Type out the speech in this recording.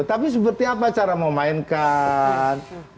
tapi seperti apa cara memainkan